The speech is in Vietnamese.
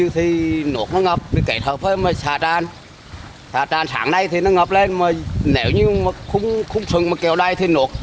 theo ban chỉ huy